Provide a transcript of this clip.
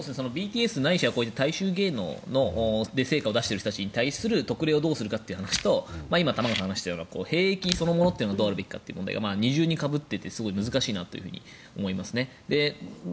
ＢＴＳないしは大衆芸術で成果を出している人たちに対する特例をどうするかという話と今、玉川さんが話した兵役そのものがどうあるべきかというのが二重にかぶっていてすごく難しいなと思いますね。